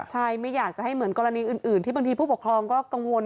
ใช่ไม่อยากจะให้เหมือนกรณีอื่นที่บางทีผู้ปกครองก็กังวล